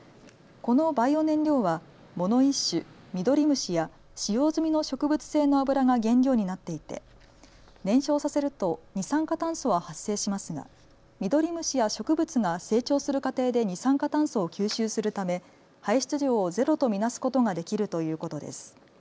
このバイオ燃料は藻の一種、ミドリムシや使用済みの植物性の油が原料になっていて燃焼させると二酸化炭素は発生しますがミドリムシや植物が成長する過程で二酸化炭素を吸収するため排出量をゼロと見なすことができるということです。